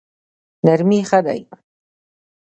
نرمي ښه دی.